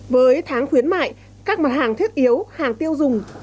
với tháng khuyến mại các mặt hàng thiết yếu hàng tiêu dùng